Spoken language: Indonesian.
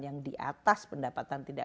yang di atas pendapatan tidak